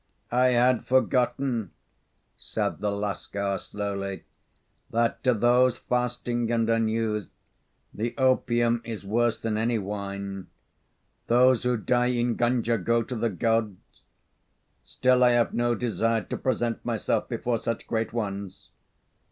"I had forgotten," said the Lascar, slowly, "that to those fasting and unused, the opium is worse than any wine. Those who die in Gunga go to the Gods. Still, I have no desire to present myself before such great ones.